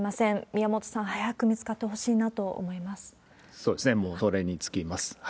宮本さん、早く見つかってほしいそうですね。